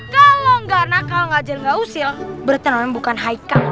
kalau gak nakal gak usia berarti namanya bukan haikal